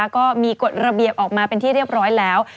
ก็มีกฎระเบียบออกมาเป็นที่เรียบร้อยแล้ว